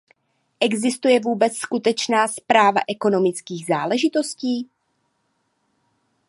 Existuje vůbec skutečná správa ekonomických záležitostí?